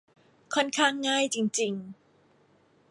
ค่อนข้างง่ายจริง ๆ